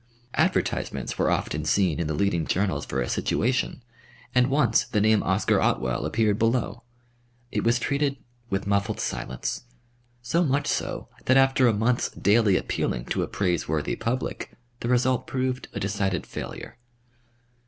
Advertisements were often seen in the leading journals for a situation, and once the name "Oscar Otwell" appeared below. It was treated with muffled silence, so much so that after a month's daily appealing to a praiseworthy public, the result proved a decided failure.